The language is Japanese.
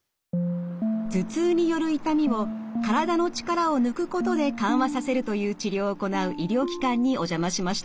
頭痛による痛みを体の力を抜くことで緩和させるという治療を行う医療機関にお邪魔しました。